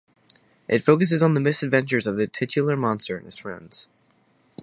It focuses on the misadventures of the titular monster and his friends.